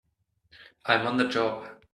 I'm on the job!